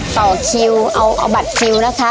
ต่อคิวเอาบัตรคิวนะคะ